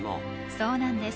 そうなんです。